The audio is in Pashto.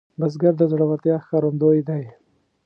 بزګر د زړورتیا ښکارندوی دی